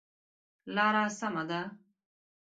لاره سمه ده؟